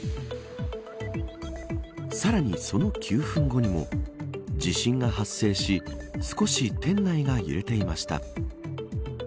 さらにその９分後にも地震が発生し少し店内が揺れていました。